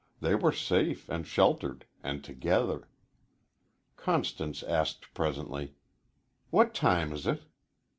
They were safe and sheltered, and together. Constance asked presently: "What time is it?"